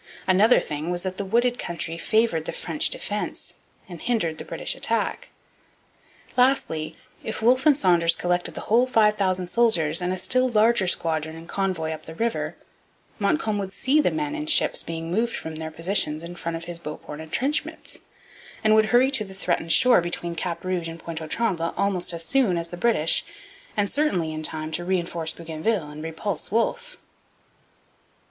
Another thing was that the wooded country favoured the French defence and hindered the British attack. Lastly, if Wolfe and Saunders collected the whole five thousand soldiers and a still larger squadron and convoy up the river, Montcalm would see the men and ships being moved from their positions in front of his Beauport entrenchments, and would hurry to the threatened shore between Cap Rouge and Pointe aux Trembles almost as soon as the British, and certainly in time to reinforce Bougainville and repulse Wolfe.